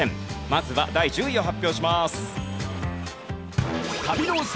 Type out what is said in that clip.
まずは第１０位を発表します。